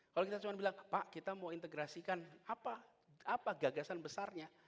kalau kita cuma bilang pak kita mau integrasikan apa gagasan besarnya